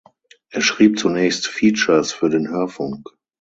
Er schrieb zunächst Features für den Hörfunk.